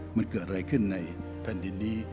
มันเกิดอะไรขึ้นในแผ่นดินนี้